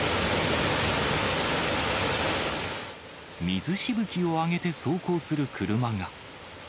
水しぶきを上げて走行する車が。